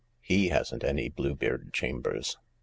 He hasn't any Bluebeard chambers.